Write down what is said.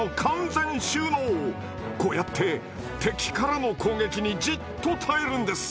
こうやって敵からの攻撃にじっと耐えるんです。